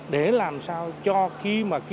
để làm sao cho khi mà